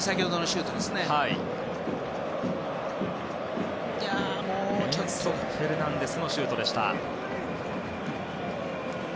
エンソ・フェルナンデスのシュートでした。